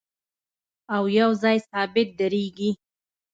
او یو ځای ثابت درېږي